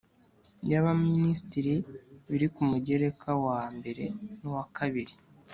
Y abaminisitiri biri ku mugereka wa i n uwa ii